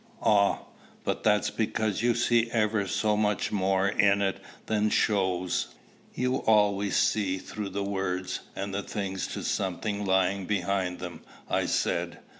"Ah! but that's because you see ever so much more in it than shows. You always see through the words and the things to something lying behind them," I said.